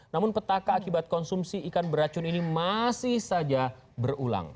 namun petaka akibat konsumsi ikan beracun ini masih saja berulang